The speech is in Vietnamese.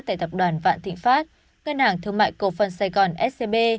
tại tập đoàn vạn thịnh pháp ngân hàng thương mại cầu phân sài gòn scb